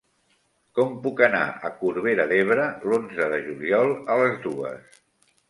Com puc anar a Corbera d'Ebre l'onze de juliol a les dues?